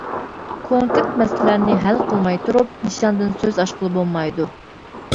كونكرېت مەسىلىلەرنى ھەل قىلماي تۇرۇپ، نىشاندىن سۆز ئاچقىلى بولمايدۇ.